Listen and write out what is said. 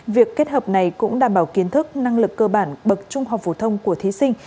việc kết hợp này cũng đảm bảo kiến thức năng lực cơ bản bậc trung học phổ thông của thí sinh